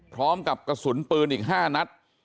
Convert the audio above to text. พร้อมกับกระสุนปืนอีก๕นัด